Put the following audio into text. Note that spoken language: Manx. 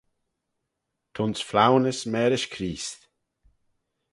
T'ayns flaunys mârish Creest.